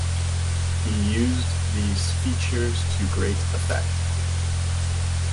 He used these features to great effect.